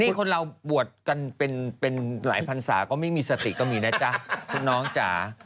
คือคนเราบวชกันเป็นหลายพันศาก็ไม่มีสติก็มีนะจ๊ะคุณน้องจ๋า